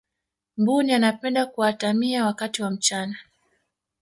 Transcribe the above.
mbuni anapenda kuatamia wakati wa mchana